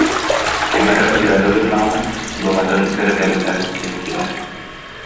Ким эрэ өлөөрү гыннаҕына дууһатын кэритэллэр диэччилэр